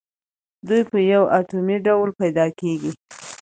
دوی په یو اتومي ډول پیداکیږي.